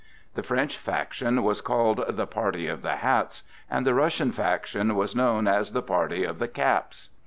The French faction was called "the party of the hats," and the Russian faction was known as "the party of the caps."